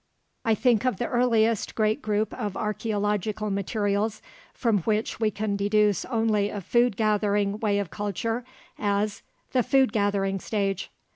I think of the earliest great group of archeological materials, from which we can deduce only a food gathering way of culture, as the food gathering stage.